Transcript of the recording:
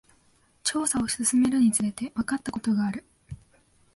調査を進めるにつれて、わかったことがある。